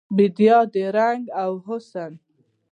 بیدیا د رنګ او حسن